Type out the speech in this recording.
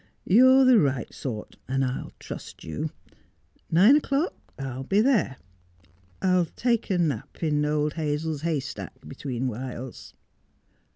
' You're the right sort, and I'll trust you. Nine o'clock? I'll be there. I'll take a nap in old Hazel's hay stack between whiles.'